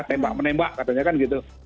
tembak menembak katanya kan gitu